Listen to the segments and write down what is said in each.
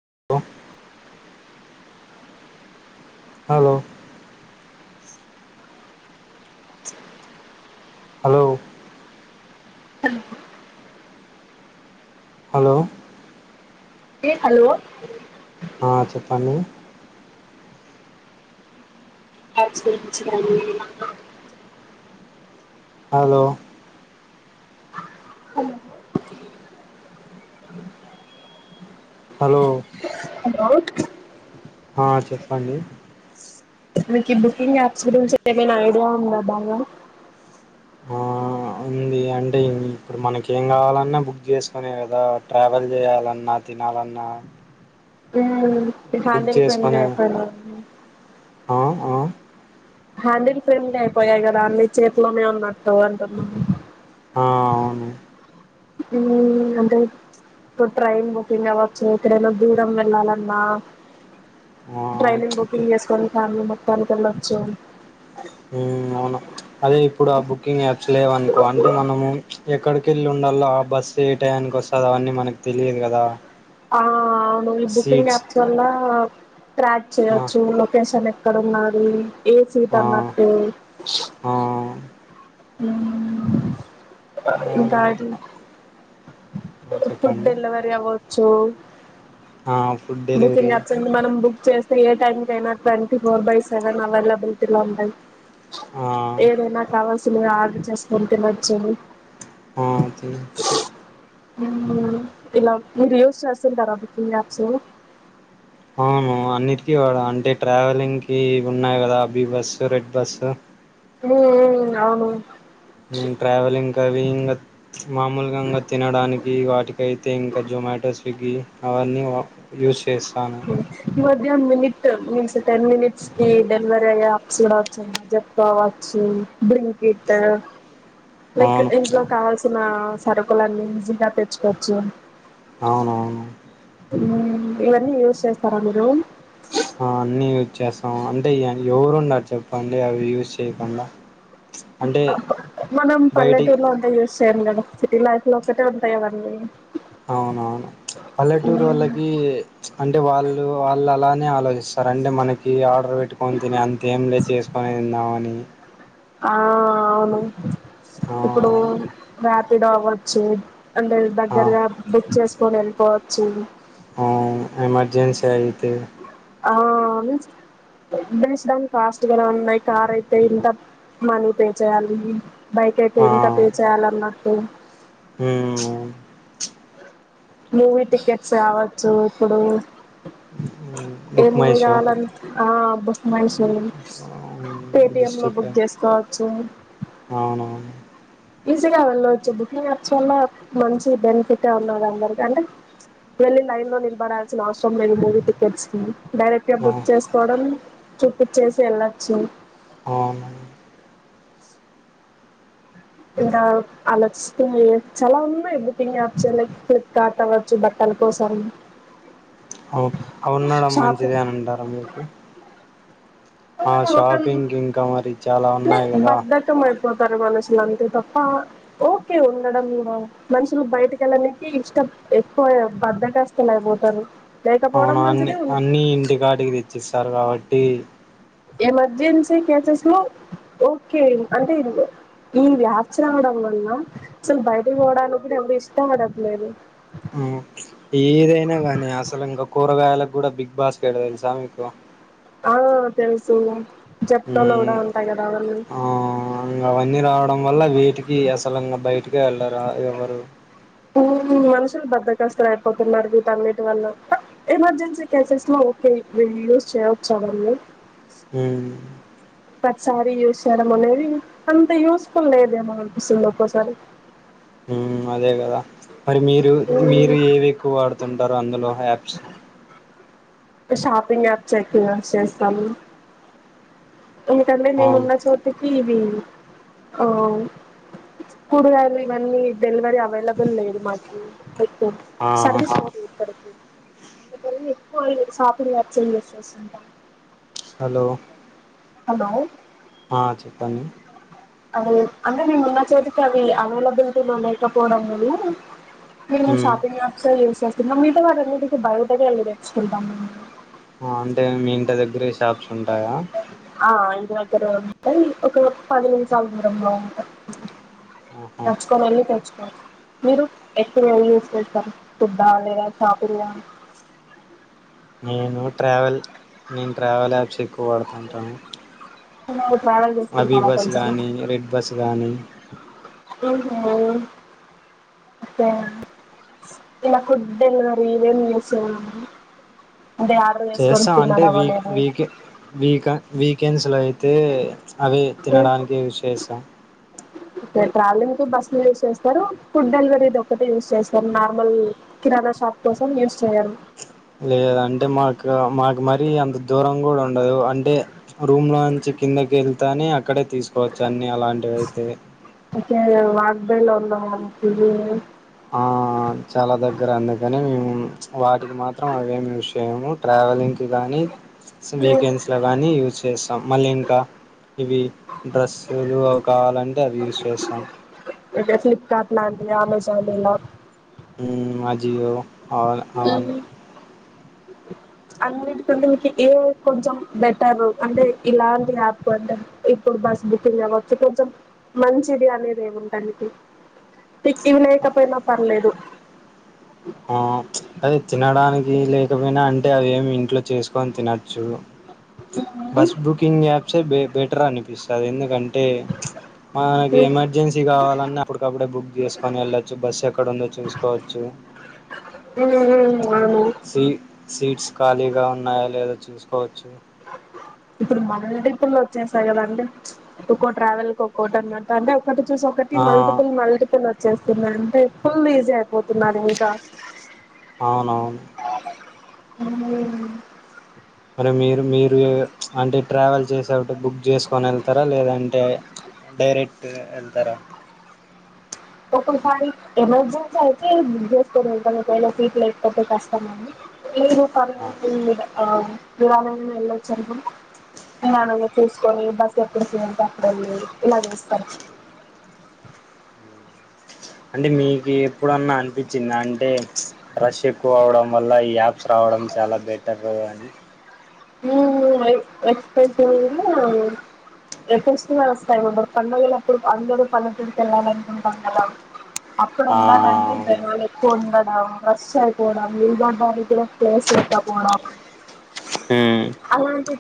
[inaudible] Hello hello hello hello ఏ hello ఆ చెప్పండి [unintelligible] హలో హలో హలో ఆ చెప్పండి మీకు ఈ బుకింగ్ యాప్స్ గురించి ఏవైనా ఐడియా ఉంద బాగా ఏ అంటే ఇప్పుడు మనకి ఏం గావాలన్నా బుక్ చేసుకునే గదా, ట్రావెల్ జేయాలన్నా, తినాలన్నా. [unintelligible] మీ బుక్ ఫ్యామిలీ ఫ్రెండ్ చేసుకునే [unintelligible] ఆ ఆ హ్యాండిల్ ఫ్రెండ్లీ అయిపోయాయి గదా, అన్ని చేత్లోనే ఉన్నట్టు అంటున్నా. ఆ అవును ఊమ్ అంటే ఇప్పుడు ట్రైన్ బుకింగ్ అవ్వచ్చు, ఎక్కడైనా దూరం వెళ్ళాలన్నా, ఆ ట్రైనింగ్ బుకింగ్ చేసుకోని ఫ్యామిలీ మొత్తానికి వెళ్ళొచ్చు. ఉమ్ అవును అదే ఇప్పుడు ఆ బుకింగ్ యాప్స్ లేవనుకో, అంటే మనము ఎక్కడి. కెళ్ళ్ ఉండాల్లా బస్సు ఏ టయానికి వస్తదా, అవన్నీ మనకు తెలియదు గదా. ఆ లోంలి బుకింగ్ యాప్స్ వల్లా ట్రాక్ ఆ చేయొచ్చు లొ కేషన్ ఎక్కడ ఉన్నాదీ, ఏ సీట్ అన్నట్టూ. ఆ ఆ ఊమ్ ఇంకా అది ఆ, ఆ ఇప్పుడు చెప్పండి డెలివరి అవ్వొచ్చు ఆ ఫుడ్ డెలివరీ బుకింగ్ ఆప్స్ ఇంగ మనం బుక్ చేస్ ఏ టైం కైనా ట్వంటీ ఫోర్ బై సెవెన్ అవైలబిలిటీలో ఉంటాయి. ఆ ఏదైనా కావల్స్ సులే ఆర్డర్ చేసుకుంటే వచ్చేవి ఆ తీచ్చు హూమ్, ఇలా వీడియోస్ చేస్తుంటారా బుకింగ్ యాప్స్ అవును, అన్నిటికీ వాడు అంటే ట్రావెలింగ్ కీ ఉన్నాయి గదా అభి బస్సు, రెడ్ బస్సు. ఊ ఉ అవును ఊ ట్రావెలింగ్క్ అవీ [unintelligible] మామూలుగాంగా తినడానికి వాటికైతే ఇంకా జొమాటో, స్విగ్గీ. అవన్నీ వ యూస్ చేస్సాను ధ్య మినిట్ట్ మీన్స్ టెన్ మినిట్స్ కి డెలివరీ అయ్యే యాప్స్ గూడా ఒచ్చాయ్. ఈ మధ్య [unintelligible] బ్లింకిట్, లైక్ అవును ఇంట్లో కావాల్సినా సరుకులన్నీ ఈజీగా తెచ్చుకోవచ్చు. అవునవును ఊమ్ ఇవన్నీ యూస్ చేస్తారా మీరు యూ చేస్తాం అంటే య ఎవరు ఉన్నారు చెప్పండి అవి యూజ్ చేయకుండా. అంటే మనం బయటి పల్లెటూరులో ఒంట ఏస్ [unintelligible] గదా సిటీ లైఫ్ లో ఒక్కటే ఉంటాయ్ అవన్నీ అవునవును పల్లెటూరు వాళ్ళకి, అంటే వాళ్ళు వాళ్ళు అలానే ఆలోచి సరే అంటే మనకి ఆర్డర్ పెట్టుకొని తిని అంతేం లేదు చేసుకునే తిందామని ఆ అవును ఆ ఇప్పుడు రాయాపిడో అవచ్చు అంటే ఆ దగ్గరగా బుక్ చేసుకొని వెళ్ళిపోవచ్చు. ఆ ఎమర్జెన్సీ అయి ఆ మీన్స్ బేస్డ్ ఆన్ కాస్ట్ గుడ ఉన్నయ్, కార్ అయితే ఇంత మనీ పే చేయాలి, బైక్ అయితే ఇంకా పే చేయాలన్నటు ఉమ్ మూవీ టికెట్స్ కావచ్చు ఇప్పుడు ఏ బుక్ మై మూవి షో కావాలన్ ఆ పుస్ మైషో పీస్ హ్మ్. పేటిఎమ్ లో డిస్ట్రిక్ట్ బుక్ చేసుకోవచ్చు. అవునవును ఈజీగా వెళ్ళవచ్చు బుకింగ్ అప్స్ వల్ల మంచి బెనిఫిట్ ఉన్నది అందరికి అంటే, వెళ్లి లైన్ లో నిలబడాల్సిన అవసరం లేదు మూవీ టికెట్స్ కి డైరెక్ట్ గా ఆ! బుక్ చేసుకోవడం చూప్పుచ్చేసి ఎళ్ళచ్చు. అవును ఇంకా ఆలోచిస్తున్న ఇగ చాలా ఉన్నయ్ బుకింగ్ యాప్స్ లైక్ ఫ్లిప్కార్ట్ అవ్వచ్చు బట్టల కోసం. ఆ ఉండడం మంచిదే అని ఉంటారా మీకు ఆ ఏ రోకలి, షాపింగ్ ఇంకా మరి చాలా టె ఉన్నాయి ఒక కదా బద్ధకం అయిపోతారు మనసు అసలు అంతే తప్ప ఓకే ఉండడం గుడ మనుషులు బయటకెళ్ళనికి ఇష్టం ఎక్కువ బద్దకస్తలు అయిపోతారు. లేకపోవడం అవును అన్ని మంచిది అన్ని ఇంటి కాడికి తెచ్చేస్ తరు కాబట్టి ఎమర్జెన్సీ కేసెస్ లో ఓకే అంటే ఇది అచ్చి రావడం వల్ల, అసలు బయటికి పోవడానికి గుడ ఎవరు ఇష్టపడట్లేదు. ఏదైనా గానీ అసలు ఇంకా కూరగాయలకు కూడా బిగ్ బాస్కెట్ తెలుసా మీకు? ఆ తెలుసు జప్తాలు మ్మ్ కూడా ఉంటాయి కదా అవన్నీ ఆ ఇంగ వన్నీ రా డం వల్ల వీటికి అసలంగా బయట ఇంటికే ఎళ్ళరా ఎవరు? ఉమ్ మనుషులు బద్దకస్తలు అయిపోతున్నారు వీటన్నిటి వల్ల, ఎమర్జెన్సీ కేసెస్ లో ఓకే యూజ్ చేయవచ్చవన్నీ. ఉమ్ ప్రతిసారి యూస్ చేయడం అనేది అంత యూస్ ఫుల్ లేదేమో అనిపిస్తుంది ఒక్కోసారి. హ్మ్ అదే గదా మరి మీరు మీరు ఏవి ఎక్కువ వాడుతుంటారు అందులో యాప్ స్ ఇ షాపింగ్ యాప్స్ ఎక్కువ చేస్తాము ఎందుకంటే అవును నేనున్న చోటి ఇవి ఆ కూరగాయలు ఇవన్నీ డెలివరీ అవైలబుల్ లేదు మాకి. ఆ సర్వీస్ రాదు ఇక్కడికి. అందుకని ఎక్కువ అవి సాపిడి వచ్చింది [unintelligible] హలో. హలో. ఆహ్ చెప్పండి. అది అంటే నేను ఉన్న చోటుకి అవి అవైలబిలిటీ లో లేకపోవడం వలను. నేను మ్మ్ షాపింగ్ అట్ సైడ్ చేసేస్తా. ఇంకా మిగతా వాటికి అన్నిటికీ భయపడి వెళ్లి తెచ్చుకుంటాం. అంటే మీ ఇంటి దగ్గరే షాప్స్ ఉంటాయ. ఆహ్ ఇంటి దగ్గరే ఉంటాయి. ఒకవేళ పది నిమ్ చాలా దూరంలో ఉంటాయి. ఆహా నచ్చుకొని వెళ్లి తెచ్చు. మీరు ఎక్కవ యూస్ కి వెళ్తారు. ఫుడ్డా లేదా షాపింగా. నేను ట్రావెల్. నేను ట్రావెల్ ఆప్స్ కు. ఎక్కువ వాడుతుంటాము. ఉనోత్. అభి బస్ గానీ రెడ్ బస్ గానీ. ఆహ్ [unintelligible] ఇలా ఫుడ్ డెలివరి [unintelligible] చేస్తా అంటే వీక్ వీకే వీకా. వీకెండ్స్లో అయితే. అదే తినడానికి ఓకే యూజు చేస్తాం. ట్రావెలింగ్ కి బస్సులు యూజ్ చేస్తార. ఫుడ్ డెలివరీది ఒక్కటే యూజ్ చేస్తార. నార్మల్ కిరాణా షాప్ కోసం యూజ్ చేయరు. లేదా అంటే మాకు మాకు మరీ అంత దూరం కూడా ఉండదు. అంటే ఆహ్ రూమ్ లో నుంచి కిందకి వెళ్తానే అక్కడే తీసుకోవచ్చు. అన్ని అలాంటివి అయితే. [unintelligible] వాగ్దేలున్నాం కిది. ఆహ్ చాలా దగ్గర అందుకని మేము. ఉమ్. వాటికి మాత్రం అవేమి విష్. ఏమౌ ట్రావెలింగ్. గానీ వీకెండ్స్ లోగానీ యూజ్ చేస్త్. స్తాం మళ్ళీ ఇంకా ఇవి డ్రస్సులు అవి కావాలంటే అవి యూస్ చేస్తాం. ఓకే ఫ్లిప్కార్ట్ లాంటి అమెజాన్ లా. ఉమ్ మా జియో. అవును అవును. అన్నిటికంటే మీకు ఏ కొంచెం బెటర్ అంటే ఇలాంటి యాప్ అంటే ఇప్పుడు బస్ బుకింగ్ అవచ్చు కొంచెం మంచిది అనేది ఏమింటానికి. [unintelligible] లేకపోయినా పర్లేదు. ఆహ్ ప్చ్ అది తినడానికి లేకపోయినా అంటే అవి ఏమి ఇంట్లో చేసుకొని తినచ్చు. బస్ బుకింగ్ యాప్సే బెటరని పిస్తది ఎందుకంటే మనకి ఎమర్జెన్సీ కావాలన్నా అప్పడికప్పుడే బుక్ చేసుకొని యెళ్ళొచ్చు బస్ ఎక్కడుందో చూసుకోవొచ్చు అవును సీ సీట్స్ ఖాళీగా ఉన్నాయా లేదో చూసుకోవొచ్చు ఇప్పుడు మనీ రిటర్న్ వచ్చేస్తాయి కదండి ఒక్కో ట్రావెల్కి ఒక్కోటి అనమాట ఒకటి చూసి ఒకటి ఆ మల్టిపుల్ మల్టిపుల్ చేతున్నరు అంటే ఎపుడూ ఈజీ అయిపోతున్నారు ఇంకా అవునవును హ్మ్ మరి మీరు మీరు అంటే ట్రావెల్ చేసేటపుడు బుక్ చేసుకొని యెళ్తారా లేదంటే డైరెక్ట్ యెళ్తారా ఒకోసారి ఎమర్జెన్సీ అయితే బుక్ చేసుకోని యెళ్తాను ఒకవేళ సీట్లు లేకపోతే కష్టం అని ఆ [unintelligible] ఇవాళన యెళ్ళొచ్చు అనుకుంటే వాళ్ళని తీసుకొని బస్ ఎక్కడికి ఉంటే అక్కడెళ్ళి ఇలా చేస్తరు అంటే మీకు ఎప్పుడన్నా అనిపిచిందా అంటే రష్ ఎక్కువ అవడం వల్ల ఈ యాప్ రావడం చాలా బెటరూ అని ఎస్పెషల్లగా ఈ ఫెస్టివల్స్ పండుగళ్ళప్పుడు అందరూ పల్లెటూరు కెళ్ళాలనుకుంటాం కదా ఆ అప్పుడుందాం అంటే అవును ఇంతరోజులు ఎక్కువ ఉం వర్షాలు పడ్డం నిలబడటానికి కూడా ప్లేస్ లేకా పోడం అవునంటె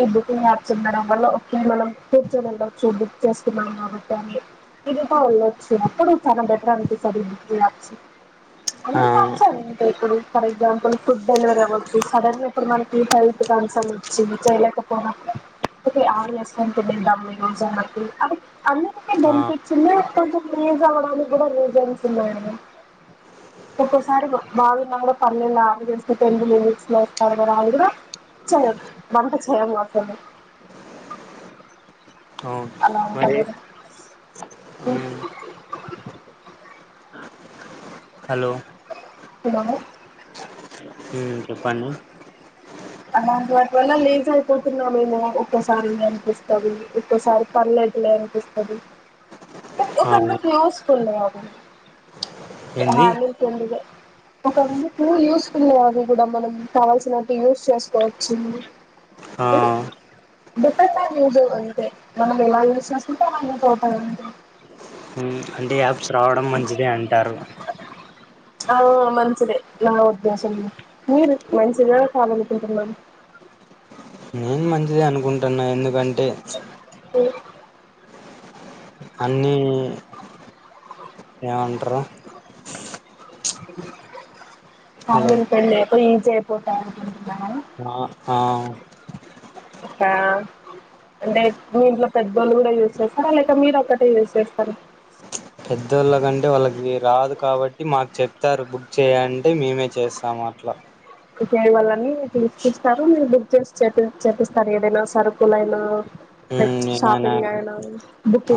ఈ బుకింగ్ యాప్స్ ఉండడం వల్ల మనం కూర్చొని యెళ్ళొచ్చు బుక్ చేసుకున్నాం కాబట్టి అని ఈసీ గా యెళ్ళొచ్చు అప్పుడు చాలా బెటర్ అనిపిస్తది ఈ బుకింగ్ యాప్స్ ఆ [unintelligible] ఇప్పుడు ఫర్ ఎగ్జామ్పల్ ఫుడ్ డెలివరీ అవ్వచ్చు సడెన్గా ఇప్పుడు మనకి హెల్త్ మీకు అలసట వచ్చి చేయలేకపోయినపుడు [unintelligible] అందుకు మేమ్ ఆ కనిపించిందా కనిపి అవడానికి కూడా రీజన్స్ ఉన్నాయా ఒకోసారి ఒక బావి మంగడ పల్లిలా అవి జస్ట్ టెన్ మినిట్స్ లో [unintelligible] ఛ వంట చేయమాకండి అవును అలా ఉంటాం మరి కదా హ్మ్ హలో హలో మ్మ్ చెప్పండి మనం లేజీ అయిపోతున్నామేమో ఒక్కోసారి అనిపిస్తది ఒక్కోసారి పర్లేదులే అనిపిస్తది ఆ ఒకన క్లోజ్ [unintelligible] అ [unintelligible] ఏంది ఫ్రెండ్ దే ప లోది [unintelligible] కూడా మనం కావాల్సినట్టు యూస్ చేసుకోవచ్చు హ డిఫెట్ న ఎ యూస్ంట తోటం ఉదు [unintelligible] ఉ అంటే యాప్స్ రావడం మంచిదే అంటారు ఆ మంచిదే నా ఉద్దేశం మీరు మంచిదా కాదనుకుంటున్నార నేను మంచిదే అనుకుంటున్నా న్న ఎందుకంటే అ అన్ని ఏమంటరు హలో ఆల్రెడీ పెళ్లి అయిపోయి చేేరిపోతాననుకుంటున్నాను ఆ ఆ అంటే మీ ఇంట్లో పెద్దోళ్లు కూడా యూజ్ చేస్తారా లేక మీరు ఒక్కటే యూస్ చేస్తారా పెద్దోళ్ళ కంటే వాళ్ళకి రాదు కాబట్టి మాకు చెప్తారు బుక్ చేయాలంటే మేమే చేస్తాము అట్లా డ్రైవర్లని పిలిపిస్తారు మీరు బుక్ చేసి చేపి చేపిస్తారు ఏదైనా సరుకులైనా ఉమ్ ఏమైనా షాపింగ్ అయినా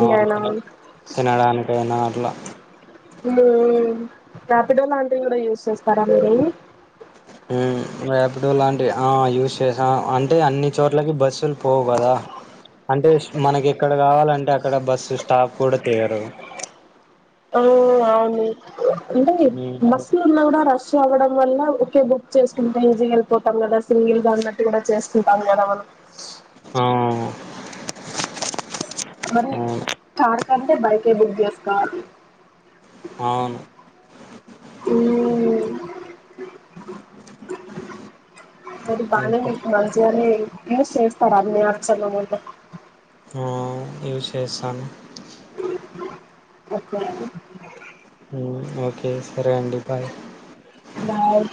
ఆ అయినా తిన తినడానికైనా అట్లా ము [unintelligible] ఉ రాపిడో లాంటివి కూడా యూస్ చేస్తారా మీరు ఉ రాపిడో లాంటివి ఆ యూస్ చేసాం అంటే అన్ని చోట్లకి బస్సులు పోవు కదా అంటే మనకి ఎక్కడ కావాలంటే అక్కడ బస్సు స్టాప్ కూడా కేరు ఆ అవును అంటే ఉమ్ బస్సులు ఉన్నా కూడా రష్ లొ కూడా అందువల్ల ఒక బుక్ చేసుకుంటే ఈజీగా వెళ్ళిపోతాం కదా సింగిల్ గా ఉన్నట్టు కూడా చేసుకుంటాం కదా మనం ఆ మరి అవును కార్ కంటే బైకే బుక్ చేసుకోవాలి అవును అ తది పాల ఇంకా మ జ అర [unintelligible] యూస్ చేస్తారా [unintelligible] అ అర్చలంట ఆ యూస్ చేస్తాను ఓకే ఓకే సరే అండి బాయ్ బాయ్